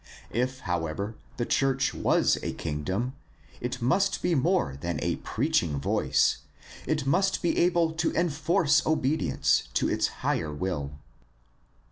If, however, the church was a kingdom, it must be more than a preaching voice ; it must be able to enforce obedi ence to its higher will.